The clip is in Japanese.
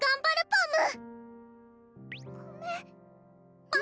パム！